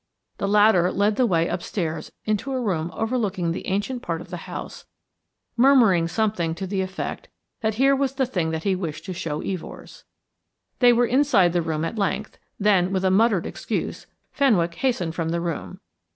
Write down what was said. The latter led the way upstairs into a room overlooking the ancient part of the house, murmuring something to the effect that here was the thing that he wished to show Evors. They were inside the room at length, then, with a muttered excuse, Fenwick hastened from the room.